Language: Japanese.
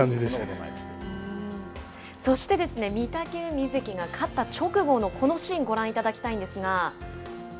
そして御嶽海関が勝った直後のこのシーンをご覧いただきたいんですが。